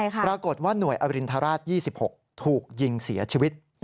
ปรากฏว่าหน่วยอรินทราช๒๖ถูกยิงเสียชีวิต